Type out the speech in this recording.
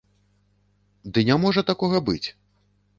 Ды не можа такога быць!